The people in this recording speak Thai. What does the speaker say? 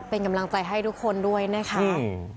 เป็นกำลังใจให้ทุกคนด้วยนะคะ